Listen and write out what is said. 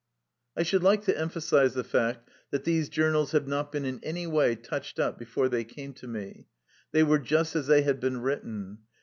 I should like to emphasize the fact that these journals have not been in any way touched up before they came to me ; they were just as they had been written.